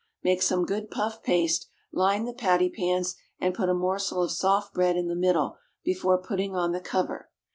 Make some good puff paste, line the patty pans, and put a morsel of soft bread in the middle before putting on the cover.